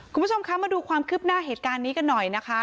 คุณผู้ชมคะมาดูความคืบหน้าเหตุการณ์นี้กันหน่อยนะคะ